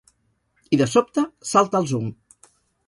I de sobte, salta el zoom.